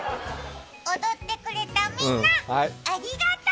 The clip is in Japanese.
踊ってくれたみんな、ありがとう。